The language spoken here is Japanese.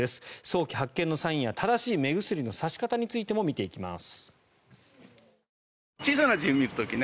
早期発見のサインや正しい目薬の差し方についても見ていきます。